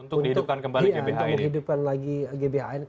untuk dihidupkan kembali gbhn ini